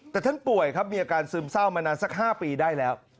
แต่ท่านป่วยครับมีอาการซึมเศร้ามานานสัก๕ปีได้แล้ว